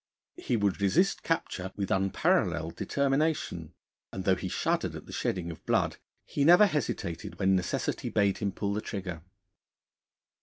He would resist capture with unparalleled determination, and though he shuddered at the shedding of blood, he never hesitated when necessity bade him pull the trigger.